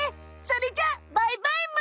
それじゃあバイバイむ。